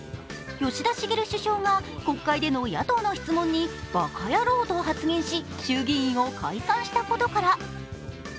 吉田茂首相が国会での野党の質問にバカヤローと発言し、衆議院を解散したことから。